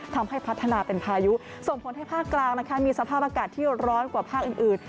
ทำให้พัฒนาเป็นพายุส่งผลให้ภาคกลางนะคะมีสภาพอากาศที่ร้อนกว่าภาคอื่น